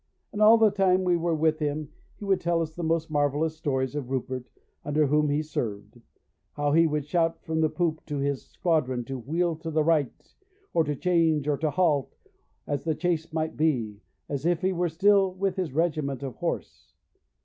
And all the time that we were with him he would tell us the most marvellous stories of Rupert, under whom he served; how he would shout from the poop to his squadron to wheel to the right, or to charge, or to halt, as the case might be, as if he were still with his regiment of horse.